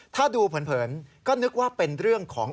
ถ้าดูเผินก็นึกว่าเป็นเรื่องของ